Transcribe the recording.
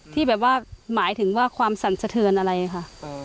ที่แบบว่าหมายถึงว่าความสั่นสะเทือนอะไรค่ะ